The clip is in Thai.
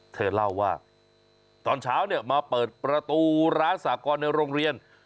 เธอเล่าว่าตอนเช้าเนี่ยมาเปิดประตูร้านสากรในโรงเรียน